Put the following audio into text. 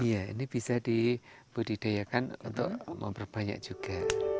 iya ini bisa dibudidayakan untuk memperbanyak juga